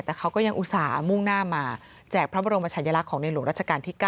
แต่เขาก็ยังอุตส่าห์มุ่งหน้ามาแจกพระบรมชายลักษณ์ของในหลวงราชการที่๙